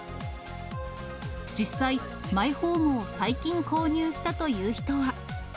実際、マイホームを最近購入したという人は。